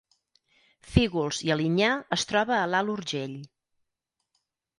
Fígols i Alinyà es troba a l’Alt Urgell